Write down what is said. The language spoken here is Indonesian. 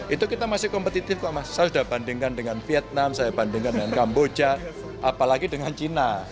itu kita masih kompetitif kok mas saya sudah bandingkan dengan vietnam saya bandingkan dengan kamboja apalagi dengan cina